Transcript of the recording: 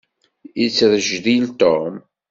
Yettrejdil Tom.